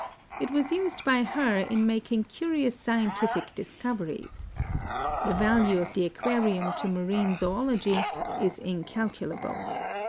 It was used by her in making curious scientific discoveries. The value of the aquarium to marine zoology is incal culable.